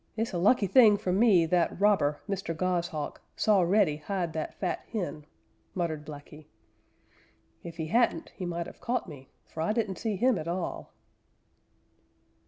_] "It's a lucky thing for me that robber, Mr. Goshawk, saw Reddy hide that fat hen," muttered Blacky. "If he hadn't, he might have caught me, for I didn't see him at all."